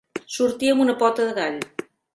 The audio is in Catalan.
Sortir amb una pota de gall.